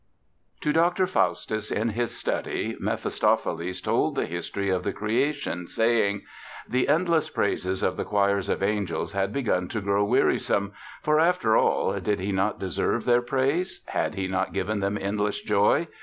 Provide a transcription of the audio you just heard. To Dr. Faustus in his study Mephistopheles told the history of the Creation, saying: "The endless praises of the choirs of angels had begun to grow wearisome; for, after all, did he not deserve their praise? Had he not given them endless joy?